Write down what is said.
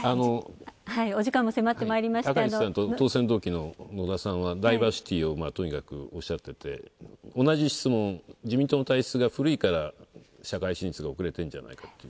高市さんと当選同期の野田さんはダイバーシティーをおっしゃっていて同じ質問、自民党の体質が古いから社会進出が遅れてるんじゃないかという。